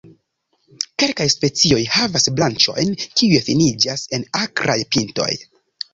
Kelkaj specioj havas branĉojn, kiuj finiĝas en akraj pintoj.